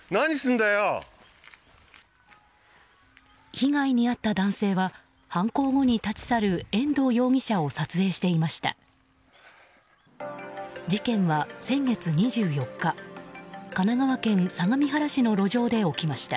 被害に遭った男性は犯行後に立ち去る遠藤容疑者を撮影していました。